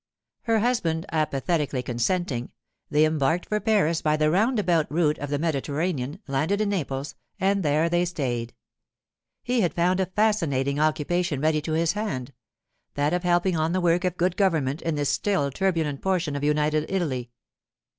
Her husband apathetically consenting, they embarked for Paris by the roundabout route of the Mediterranean, landed in Naples, and there they stayed. He had found a fascinating occupation ready to his hand—that of helping on the work of good government in this still turbulent portion of United Italy.